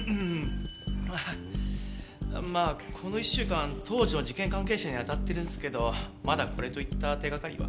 まあこの１週間当時の事件関係者にあたってるんですけどまだこれといった手がかりは。